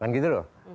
kan gitu loh